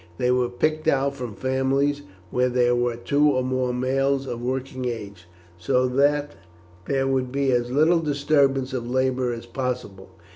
They were picked out from families where there were two or more males of working age, so that there would be as little disturbance of labour as possible.